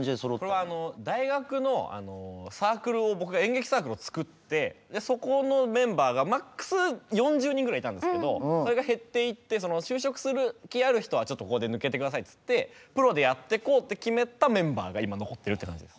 これは大学のサークルを僕が演劇サークルを作ってそこのメンバーがマックス４０人ぐらいいたんですけどそれが減っていって「就職する気ある人はここで抜けてください」っつってプロでやってこうって決めたメンバーが今残ってるって感じです。